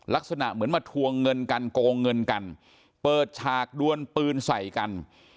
ลักษณะเหมือนมาทวงเงินกันโกงเงินกันเปิดฉากดวนปืนใส่กัน